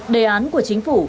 đề án của chính phủ